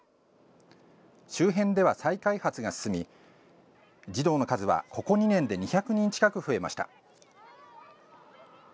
周辺では再開発が進み児童の数は、ここ２年で２００人近く増えました。